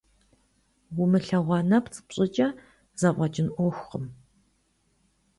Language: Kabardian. Умылъэгъуа нэпцӀ пщӏыкӏэ зэфӏэкӏын ӏуэхукъым.